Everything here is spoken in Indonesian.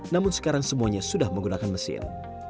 namun sekarang semuanya sudah menggunakan mesin